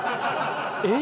え？